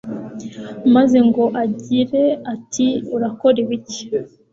maze ngo agire ati urakora ibiki